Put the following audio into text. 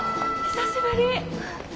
久しぶり。